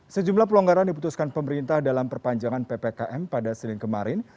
sejumlah pelonggaran diputuskan pemerintah dalam perpanjangan ppkm pada senin kemarin